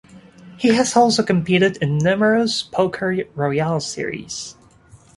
He has also competed in numerous Poker Royale series.